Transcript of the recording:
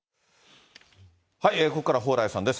ここからは蓬莱さんです。